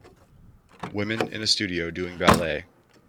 Women in a studio doing ballet.